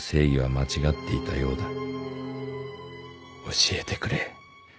「教えてくれ。